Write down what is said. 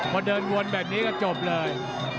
พอเดินวนแบบนี้ก็จบเลย